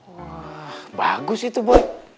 wah bagus itu boy